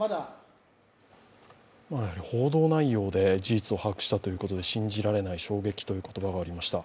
報道内容で事実を把握したということで信じられない、衝撃という言葉がありました。